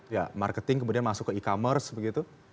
ya marketing kemudian masuk ke e commerce begitu